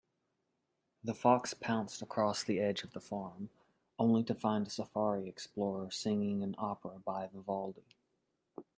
The fox pounced across the edge of the farm, only to find a safari explorer singing an opera by Vivaldi.